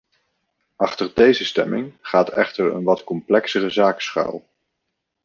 Achter deze stemming gaat echter een wat complexere zaak schuil.